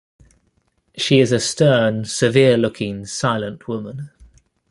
She is a stern, severe-looking, silent woman.